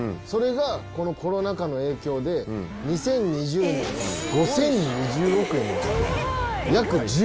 それがこのコロナ禍の影響で、２０２０年は５０２０億円になる。